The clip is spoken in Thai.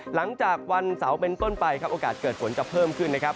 หลังจากวันเสาร์เป็นต้นไปครับโอกาสเกิดฝนจะเพิ่มขึ้นนะครับ